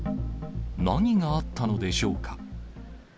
何があったのでしょうか。